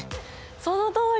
そのとおり！